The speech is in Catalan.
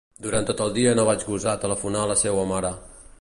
Durant tot el dia no vaig gosar telefonar a la seua mare.